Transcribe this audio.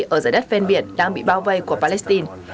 ở giải đất ven biển đang bị bao vây của palestine